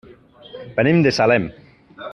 Venim de Salem.